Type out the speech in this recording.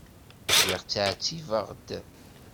Lliɣ ttɛettibeɣ-d.